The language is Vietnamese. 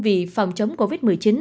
vì phòng chống covid một mươi chín